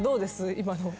今の。